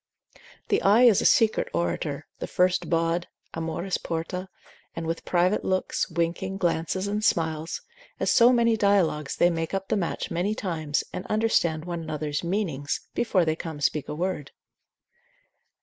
The eye is a secret orator, the first bawd, Amoris porta, and with private looks, winking, glances and smiles, as so many dialogues they make up the match many times, and understand one another's meanings, before they come to speak a word.